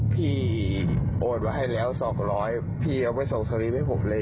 โอนไว้ให้แล้ว๒๐๐พี่เอาไว้ส่งสลิมให้ผมเลย